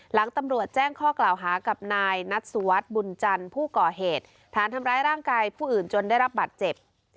หลังตำรวจแจ้งข้อกล่าวหากับนายนัทสุวัสดิ์บุญจันทร์ผู้ก่อเหตุฐานทำร้ายร่างกายผู้อื่นจนได้รับบัตรเจ็บ